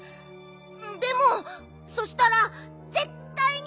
でもそしたらぜったいにさがす！